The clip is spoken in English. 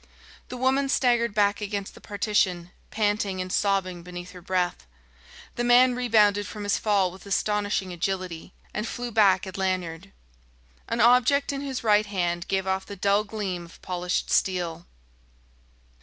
The woman staggered back against the partition, panting and sobbing beneath her breath. The man rebounded from his fall with astonishing agility, and flew back at Lanyard. An object in his right hand gave off the dull gleam of polished steel.